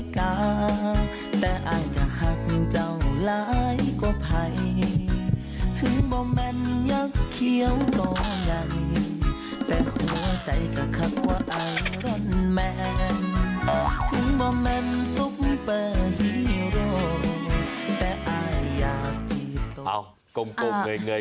กลมเงย